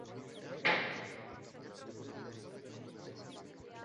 Ačkoli byly zrušeny fyzické hranice, právní hranice stále přetrvávají.